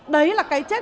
đấy là cái chết của mình